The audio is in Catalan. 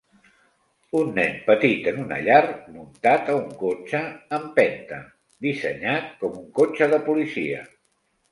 Un nen petit en una llar muntat a un cotxe empenta dissenyat com un cotxe de policia.